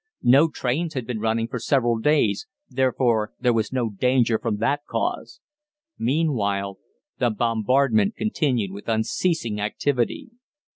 No trains had been running for several days, therefore there was no danger from that cause. Meanwhile the bombardment continued with unceasing activity.